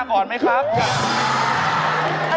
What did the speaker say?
ถ้าเป็นปากถ้าเป็นปาก